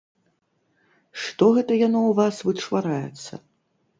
Што гэта яно ў вас вычвараецца?